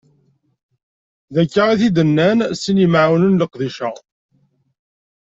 D akka i t-id-nnan sin n yimɛawnen n leqdic-a.